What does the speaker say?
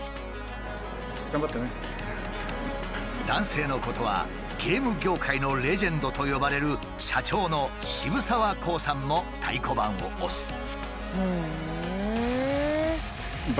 男性のことはゲーム業界のレジェンドと呼ばれる社長のシブサワ・コウさんも太鼓判を押す。